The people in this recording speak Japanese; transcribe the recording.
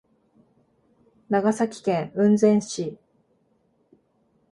長崎県雲仙市